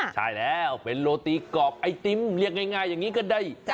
ใช่แล้วเป็นโรตีกรอบไอติมเรียกง่ายอย่างนี้ก็ได้